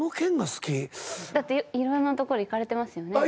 だっていろんな所行かれてますよね？